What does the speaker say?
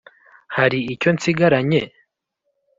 Hari icyo nsigaranye?